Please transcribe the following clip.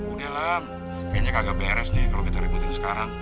udahlah kayaknya kagak beres nih kalau kita ributin sekarang